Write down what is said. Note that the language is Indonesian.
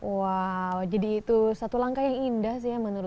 wow jadi itu satu langkah yang indah sih ya